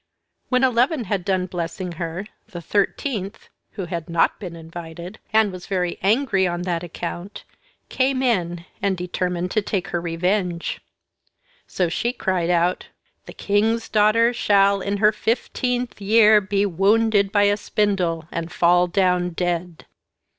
When eleven had done blessing her, the thirteenth, who had not been invited, and was very angry on that account, came in, and determined to take her revenge. So she cried out, "The King's daughter shall in her fifteenth year be wounded by a spindle, and fall down dead."